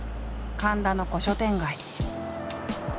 神田の古書店街。